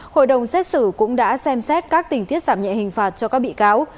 hội đồng xét xử cũng đã xem xét các tình tiết giảm nhẹ hình phạt cho các bị cáo